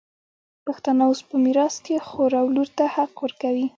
پښتانه اوس په میراث کي خور او لور ته حق ورکوي.